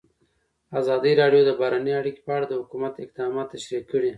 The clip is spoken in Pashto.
ازادي راډیو د بهرنۍ اړیکې په اړه د حکومت اقدامات تشریح کړي.